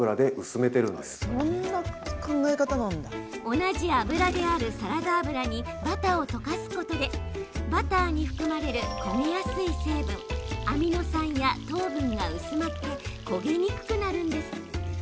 同じ油であるサラダ油にバターを溶かすことでバターに含まれる焦げやすい成分アミノ酸や糖分が薄まって焦げにくくなるんです。